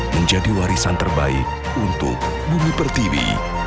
menjadi warisan terbaik untuk bumi pertiwi